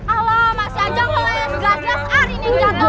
alah masih aja ngeles jelas jelas arin yang jatuh